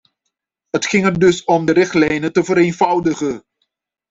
Het ging er dus om de richtlijnen te vereenvoudigen.